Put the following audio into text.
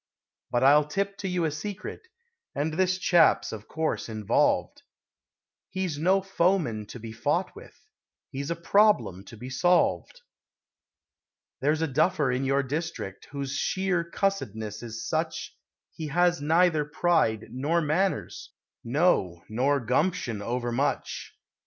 But I'll tip you to a secret (And this chap's of course involved) He's no foeman to be fought with; He's a problem to be solved. There's a duffer in your district Whose sheer cussedness is such He has neither pride nor manners No, nor gumption, overmuch.